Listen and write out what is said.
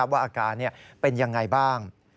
ว่าอาการเป็นยังไงบ้าง